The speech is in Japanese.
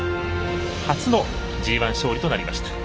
初のＧＩ勝利となりました。